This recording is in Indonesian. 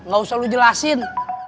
gak usah lo jelasin